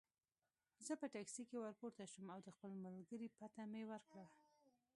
زه په ټکسي کې ورپورته شوم او د خپل ملګري پته مې ورکړه.